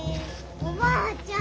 おばあちゃん